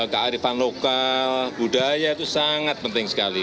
kearifan lokal budaya itu sangat penting sekali